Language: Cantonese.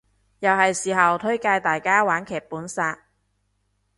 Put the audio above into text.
又係時候推介大家玩劇本殺